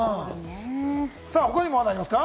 他にもまだありますか？